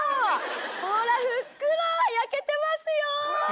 ほら、ふっくら焼けてますよ！